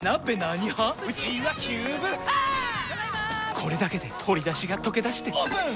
これだけで鶏だしがとけだしてオープン！